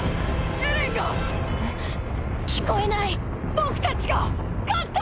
僕たちが勝った！！